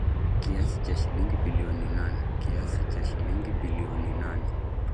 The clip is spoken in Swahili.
Kiasi cha shilingi bilioni nane